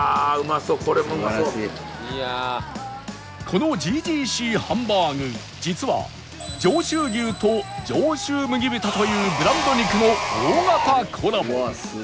この ＧＧＣ ハンバーグ実は上州牛と上州麦豚というブランド肉の大型コラボ